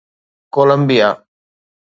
Colombia